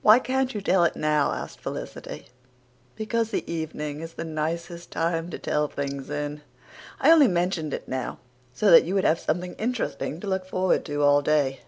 "Why can't you tell it now?" asked Felicity. "Because the evening is the nicest time to tell things in. I only mentioned it now so that you would have something interesting to look forward to all day."